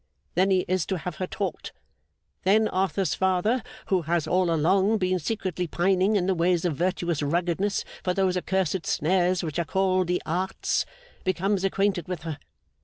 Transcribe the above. Then he is to have her taught. Then Arthur's father, who has all along been secretly pining in the ways of virtuous ruggedness for those accursed snares which are called the Arts, becomes acquainted with her.